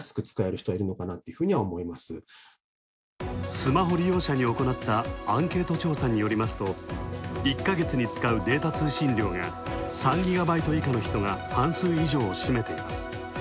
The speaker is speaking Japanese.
スマホ利用者に行ったアンケート調査によりますと１か月に使うデータ通信量が３ギガバイト以下の人がしめています。